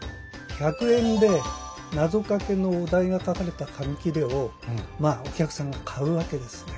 １００円でなぞかけのお題が書かれた紙切れをお客さんが買うわけですね。